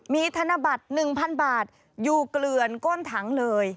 มีธนบัตร๑๐๐๐บาทอยู่เกลือนก้นถังเลย